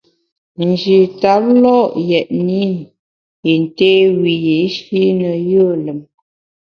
Nji tap lo’ yètne i yin té wiyi’shi ne yùe lùm.